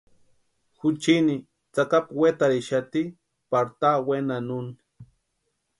Juchiini tsakapu wetarhixati pari taani wenani úni.